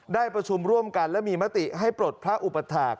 ได้ประชุมร่วมกันและมีมติให้ปลดพระอุปถาค